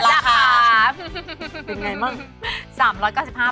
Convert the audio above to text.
ราคาราคาเป็นยังไงบ้าง